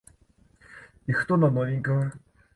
І хто на новенькага?